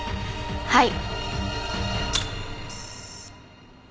はい。